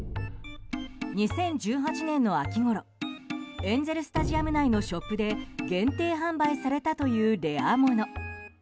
２０１８年の秋ごろエンゼル・スタジアム内のショップで限定販売されたというレアもの。